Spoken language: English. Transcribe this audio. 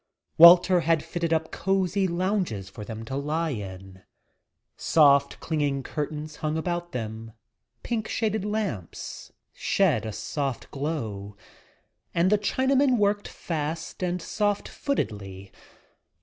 Walter had fitted up cosy lounges for them to lie in. Soft, clinging curtains hung about them, pink shaded lamps shed a soft glow, and the Chinaman worked fast and soft footedly.